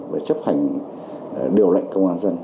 về chấp hành điều lệnh công an dân